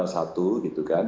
ada perawat yang meninggal